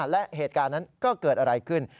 และเหตุการณ์นั้นก็เกิดอะไรขึ้น